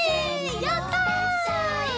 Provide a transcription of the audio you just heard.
やった！